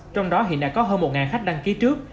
trong đó hiện đã có hơn một khách đăng ký trước